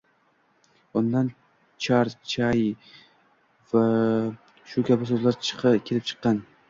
Undan Char, Chai va shu kabi so’zlar kelibchiqqan.